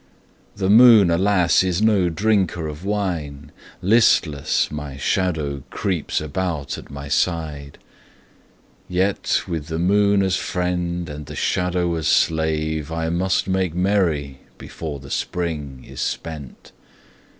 The moon, alas, is no drinker of wine; Listless, my shadow creeps about at my side. Yet with the moon as friend and the shadow as slave I must make merry before the Spring is spent.